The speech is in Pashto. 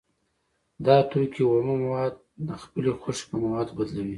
دا توکی اومه مواد د خپلې خوښې په موادو بدلوي